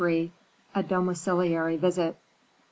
A Domiciliary Visit.